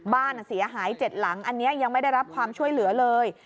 บ้านเสียหาย๗หลังอันนี้ยังไม่ได้รับความช่วยเหลือเลย